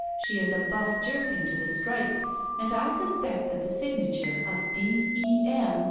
She is a buff jerkin to the stripes, and I suspect that the signature of D. E. M.